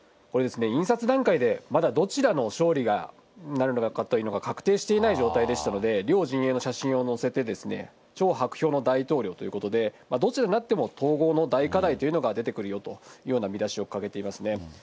これ、印刷段階で、まだどちらが勝利になるのかというのが確定していない状態でしたので、両陣営の写真を載せて、超薄氷の大統領ということで、どちらになっても統合の大課題というのが出てくるよというような見出しを掲げていますね。